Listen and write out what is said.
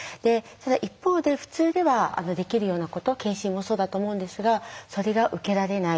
一方で普通にはできるようなこと検診もそうだと思うんですがそれが受けられない。